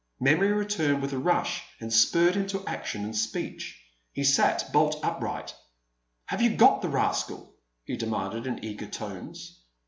Memory returned with a rush and spurred him to action and speech. He sat bolt upright. "Have you got the rascal?" he demanded in eager tones..